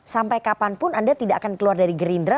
sampai kapanpun anda tidak akan keluar dari gerindra